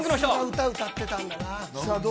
歌、歌ってたんだな。